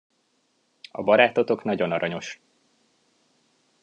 A barátotok nagyon aranyos.